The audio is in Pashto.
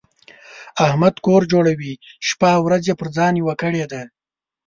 احمد کور جوړوي؛ شپه او ورځ يې پر ځان یوه کړې ده.